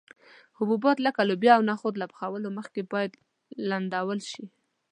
حبوبات لکه لوبیا او نخود له پخولو مخکې باید لمدول شي.